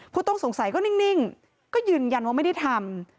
ผู้ต้องสงสัยก็นิ่งก็ยืนยันว่าไม่ได้ทำ